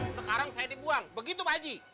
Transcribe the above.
sekarang saya dibuang begitu pak haji